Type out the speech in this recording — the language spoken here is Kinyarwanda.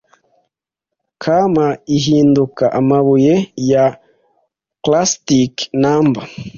kama ihinduka amabuye ya clasitike number